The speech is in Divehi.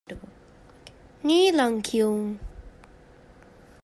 ނީލަން ކިޔުން